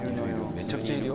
めちゃめちゃいるよ